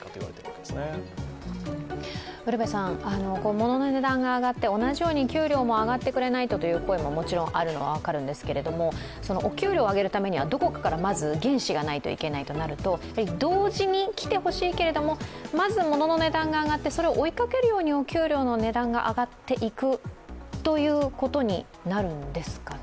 ものの値段が上がって、同じように給料も上がってくれないという声ももちろんあるのは分かるんですけど、お給料を上げるためにはどこかからまず原資がないといけないとなると、同時に来てほしいけれどもまず物の値段が上がって、それを追いかけるように給料の値段が上がっていくというふうになっていくんですかね。